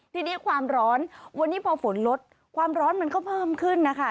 ทีนี้ความร้อนวันนี้พอฝนลดความร้อนมันก็เพิ่มขึ้นนะคะ